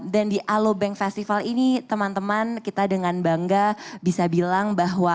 di alobank festival ini teman teman kita dengan bangga bisa bilang bahwa